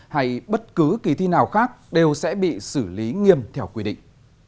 hay bất cứ kỳ thi nào khác đều sẽ bị xử lý nghiêm theo quy định